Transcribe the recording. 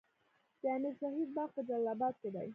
د امیر شهید باغ په جلال اباد کې دی